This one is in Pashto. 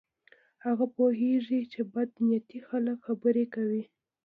هغه پوهیږي چې بد نیتي خلک خبرې کوي.